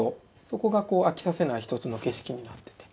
そこが飽きさせない一つの景色になっていて。